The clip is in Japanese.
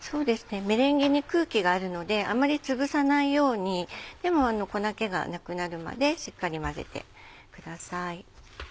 メレンゲに空気があるのであまりつぶさないようにでも粉気がなくなるまでしっかり混ぜてください。